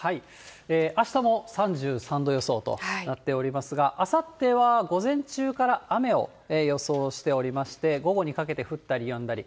あしたも３３度予想となっていますが、あさっては午前中から雨を予想しておりまして、午後にかけて降ったりやんだり。